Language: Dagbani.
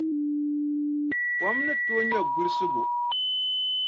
Kom ni tooi nyɛ gulisigu.